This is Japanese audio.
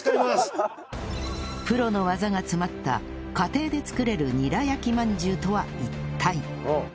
プロの技が詰まった家庭で作れるニラ焼き饅頭とは一体？